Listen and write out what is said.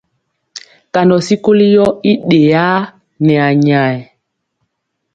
Kandɔ sikoli yɔ i ɗeyaa nɛ anyayɛ.